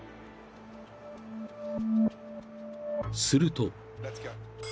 ［すると］